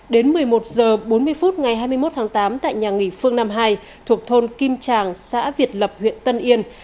đến một mươi một h bốn mươi phút ngày hai mươi một tháng tám tại nhà nghỉ phương nam hai thuộc thôn kim tràng xã việt lập huyện tân yên